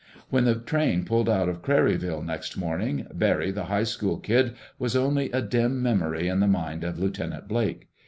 When the train pulled out of Craryville next morning, Barry the high school kid was only a dim memory in the mind of Lieutenant Blake.